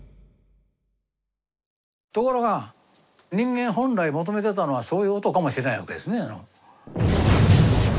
ところが人間本来求めてたのはそういう音かもしれないわけですね。